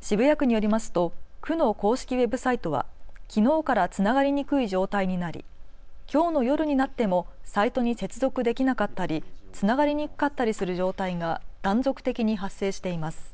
渋谷区によりますと区の公式ウェブサイトはきのうからつながりにくい状態になりきょうの夜になってもサイトに接続できなかったり、つながりにくかったりする状態が断続的に発生しています。